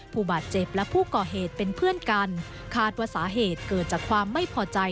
ผู้บาดเจ็บและผู้ก่อเหตุเป็นเพื่อนกันคาดว่าสาเหตุเกิดจากความไม่พอใจ